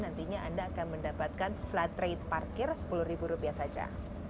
nantinya anda akan mendapatkan flat rate parkir sepuluh rupiah saja